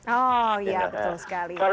oh iya betul sekali